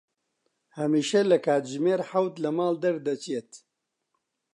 هەمیشە لە کاتژمێر حەوت لە ماڵ دەردەچێت.